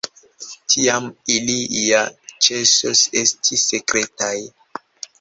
Tiam ili ja ĉesos esti sekretaj.